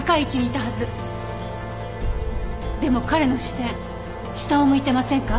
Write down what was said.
でも彼の視線下を向いてませんか？